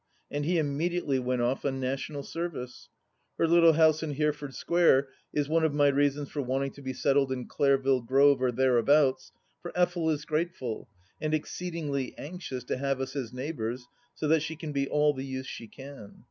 And he immediately went off on national service. Her little house in Hereford Square is one of my reasons for wanting to be settled in Clareville Grove or thereabouts, for Effel is grateful, and exceedingly anxious to have us as neighbours so that she can be all the use she can.